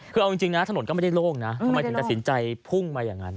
คือเอาจริงนะถนนก็ไม่ได้โล่งนะทำไมถึงตัดสินใจพุ่งมาอย่างนั้น